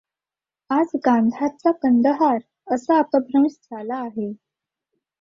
आज गांधारचा कंदहार असा अपभ्रंश झाला आहे.